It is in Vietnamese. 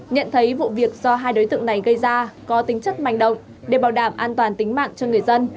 nhận thấy vụ việc do hai đối tượng này gây ra có tính chất manh động để bảo đảm an toàn tính mạng cho người dân